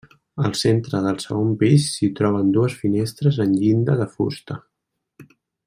Al centre del segon pis s'hi troben dues finestres en llinda de fusta.